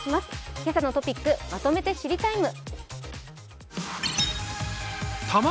「けさのトピックまとめて知りＴＩＭＥ，」。